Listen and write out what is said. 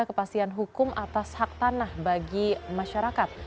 kepastian hukum atas hak tanah bagi masyarakat